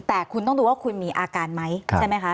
แต่คุณต้องดูว่าคุณมีอาการไหมใช่ไหมคะ